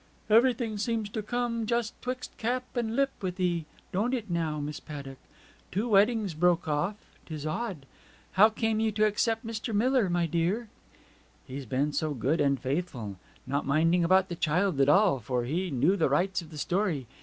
'Everything seems to come just 'twixt cup and lip with 'ee, don't it now, Miss Paddock. Two weddings broke off 'tis odd! How came you to accept Mr. Miller, my dear?' 'He's been so good and faithful! Not minding about the child at all; for he knew the rights of the story.